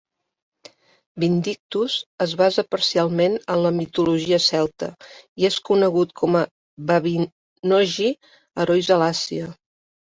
Vindictus es basa parcialment en la mitologia celta, i és conegut com a Mabinogi: herois a l'Àsia.